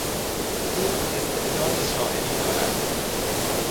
او استعداد شاعری دارد.